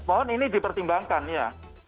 mohon ini dipertimbangkan ya